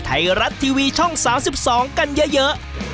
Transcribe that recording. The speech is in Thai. ไทยรัฐทีวีช่อง๓๒กันเยอะ